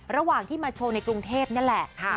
ระหว่างที่มาโชว์ในกรุงเทพนี่แหละ